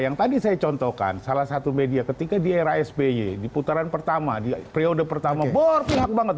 yang tadi saya contohkan salah satu media ketika di era sby di putaran pertama di periode pertama berpihak banget